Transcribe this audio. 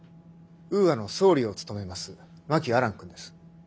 ウーアの総理を務めます真木亜蘭君です。